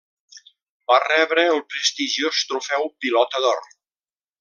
Va rebre el prestigiós trofeu Pilota d'Or.